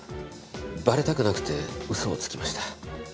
バレたくなくて嘘をつきました。